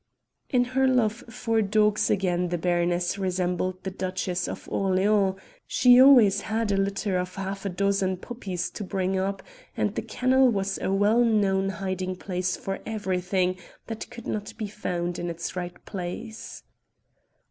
In her love for dogs again the baroness resembled the Duchess of Orleans; she always had a litter of half a dozen puppies to bring up, and the kennel was a well known hiding place for everything that could not be found in its right place.